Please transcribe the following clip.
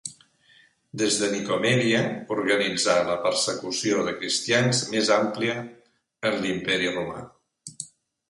Des de Nicomèdia organitzà la persecució de cristians més àmplia en l'Imperi Romà.